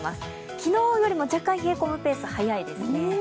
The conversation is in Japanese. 昨日よりも若干、冷え込むペース早いですね。